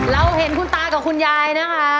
เราเห็นคุณตากับคุณยายนะคะ